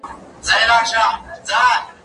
دا ونه له هغه لويه ده!؟